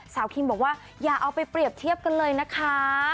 คิมบอกว่าอย่าเอาไปเปรียบเทียบกันเลยนะคะ